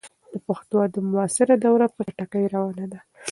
د پښتو ادب معاصره دوره په چټکۍ روانه ده.